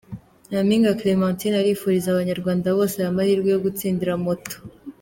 Nyampinga Clementine arifuriza abanyarwanda bose ayamahirwe yo gutsindira moto.